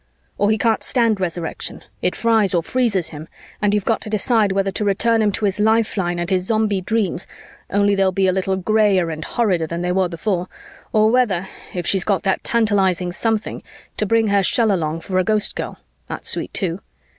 "Or he can't stand Resurrection, it fries or freezes him, and you've got to decide whether to return him to his lifeline and his Zombie dreams, only they'll be a little grayer and horrider than they were before, or whether, if she's got that tantalizing something, to bring her shell along for a Ghostgirl that's sweet, too.